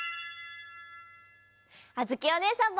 あづきおねえさんも！